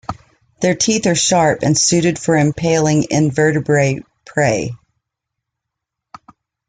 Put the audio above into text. Their teeth are sharp and suited for impaling invertebrate prey.